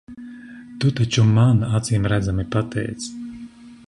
Tu taču man acīmredzami patīc.